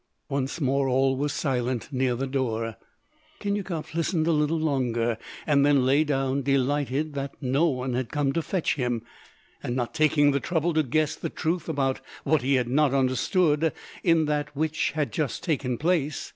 Once more all was silent near the door. Khinyakov listened a little longer and then lay down, delighted that no one had come to fetch him, and not taking the trouble to guess the truth about what he had not understood in that which had just taken place.